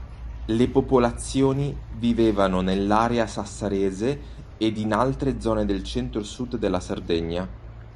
Le popolazioni vivevano nell'area sassarese ed in altre zone del centro sud della Sardegna.